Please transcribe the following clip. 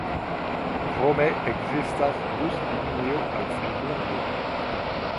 Krome ekzistas buslinio al Friburgo.